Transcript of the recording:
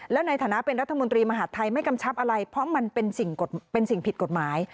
แล้วในฐานะเป็นรัฐมนตรีมหาดไทยไม่กำชับอะไรเพราะมันเป็นสิ่งผิดกฎหมาย